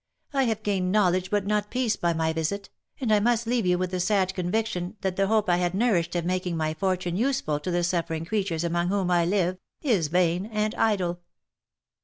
" I have gained knowledge but not peace by my visit, and I must leave you with the sad conviction that the hope I had nourished of making my fortune useful to the suffering creatures among whom I live, is vain and idle."